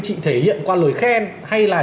các chị thể hiện qua lời khen hay là